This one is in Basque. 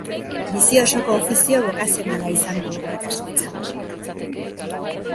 Bizi osoko ofizio bokazionala izan du irakasletza.